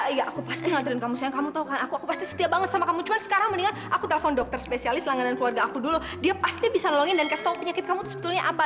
iya aku pasti ngaturin kamu sayang kamu tau kan aku aku pasti setia banget sama kamu cuman sekarang mendingan aku telepon dokter spesialis langganan keluarga aku dulu dia pasti bisa nolongin dan kasih tau penyakit kamu tuh sebetulnya apa